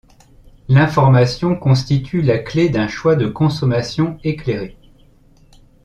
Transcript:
L’information constitue la clé d’un choix de consommation éclairé.